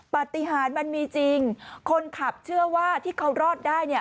ปฏิหารมันมีจริงคนขับเชื่อว่าที่เขารอดได้เนี่ย